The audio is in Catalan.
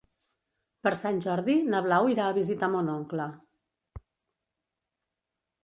Per Sant Jordi na Blau irà a visitar mon oncle.